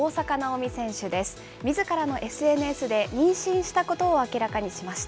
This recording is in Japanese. みずからのＳＮＳで、妊娠したことを明らかにしました。